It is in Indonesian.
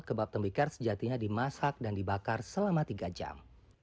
kebab tembikar sejatinya dimasak dan dibakar selama tiga jam